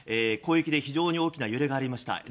広域で非常に大きな揺れがありました。